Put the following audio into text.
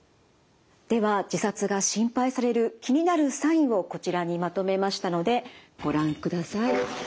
では自殺が心配される気になるサインをこちらにまとめましたのでご覧ください。